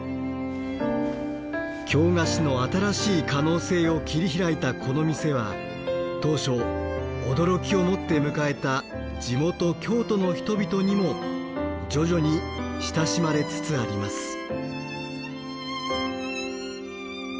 京菓子の新しい可能性を切り開いたこの店は当初驚きを持って迎えた地元京都の人々にも徐々に親しまれつつあります。